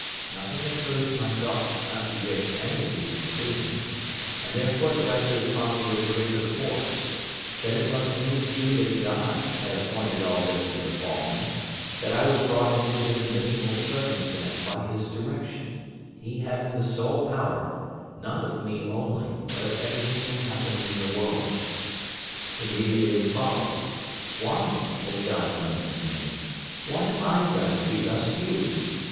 Nothing occurred to my thought to contradict any of these conclusions, and therefore it rested upon me with the greater force, that it must needs be that God had appointed all this to befall me; that I was brought into this miserable circumstance by His direction, He having the sole power, not of me only, but of everything that happened in the world. Immediately it followed: Why has God done this to me? What have I done to be thus used?